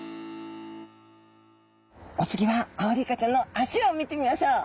お次はアオリイカちゃんの足を見てみましょう。